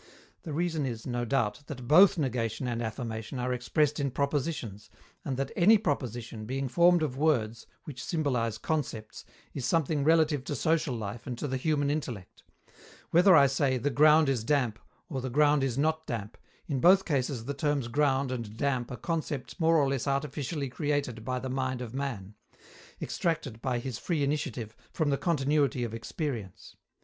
The reason is, no doubt, that both negation and affirmation are expressed in propositions, and that any proposition, being formed of words, which symbolize concepts, is something relative to social life and to the human intellect. Whether I say "The ground is damp" or "The ground is not damp," in both cases the terms "ground" and "damp" are concepts more or less artificially created by the mind of man extracted, by his free initiative, from the continuity of experience.